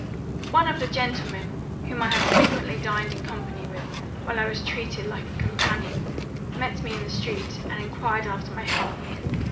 "One of the gentlemen, whom I had frequently dined in company with, while I was treated like a companion, met me in the street, and enquired after my health.